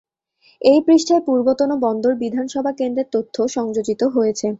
এই পৃষ্ঠায় পূর্বতন বন্দর বিধানসভা কেন্দ্রের তথ্যও সংযোজিত হয়েছে।